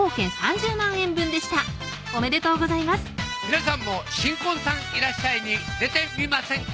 皆さんも新婚さんいらっしゃい！に出てみませんか？